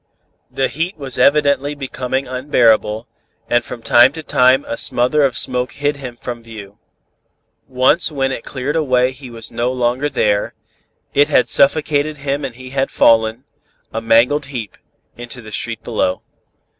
The heat was evidently becoming unbearable and from time to time a smother of smoke hid him from view. Once when it cleared away he was no longer there, it had suffocated him and he had fallen, a mangled heap, into the street below.